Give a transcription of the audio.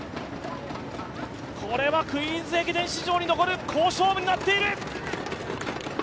これはクイーンズ駅伝史上に残る好勝負になっている。